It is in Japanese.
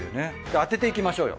当てていきましょうよ